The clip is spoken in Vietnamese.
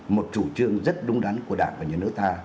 một chủ trương rất đúng đắn của đảng và nhà nước ta